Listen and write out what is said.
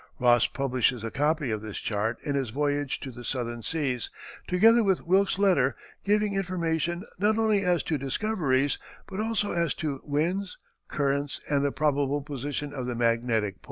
Ross publishes a copy of this chart in his "Voyage to the Southern Seas," together with Wilkes's letter, giving information not only as to discoveries, but also as to winds, currents, and the probable position of the magnetic pole.